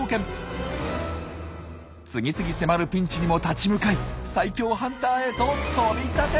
次々迫るピンチにも立ち向かい最強ハンターへと飛び立て！